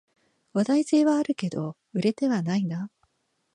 話題性はあるけど売れてはないな